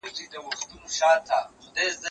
زه به اوږده موده کتابتوننۍ سره وخت تېره کړی وم؟!